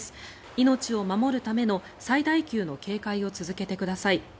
命を守るための最大級の警戒を続けてください。